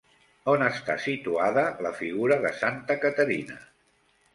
On està situada la figura de Santa Caterina?